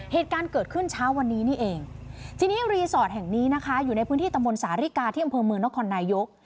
เหตุการณ์เกิดขึ้นเช้าวันนี้นี่เองทีนี้รีสอร์ทแห่งนี้นะคะอยู่ในพื้นที่ตะมนต์สาริกาที่อำเภอเมืองนครนายก